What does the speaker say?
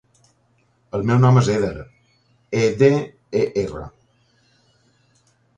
El meu nom és Eder: e, de, e, erra.